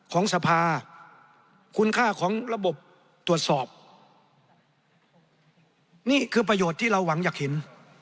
ของสภาคุณค่าของระบบตรวจสอบนี่คือประโยชน์ที่เราหวังอยากเห็น